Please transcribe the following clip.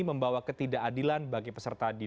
membawa ketidakadilan bagi peserta didik